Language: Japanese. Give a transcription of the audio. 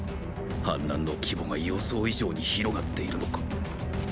反乱の規模が予想以上に広がっているのか。